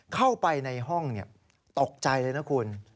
เข้าไปในห้องตกใจเลยนะคุณ